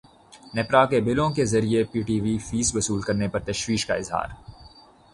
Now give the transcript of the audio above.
نیپرا کا بلوں کے ذریعے پی ٹی وی فیس وصول کرنے پر تشویش کا اظہار